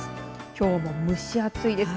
きょうも蒸し暑いです。